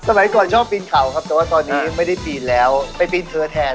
สมัยก่อนชอบปีนเขาครับแต่ว่าตอนนี้ไม่ได้ปีนแล้วไปปีนเธอแทน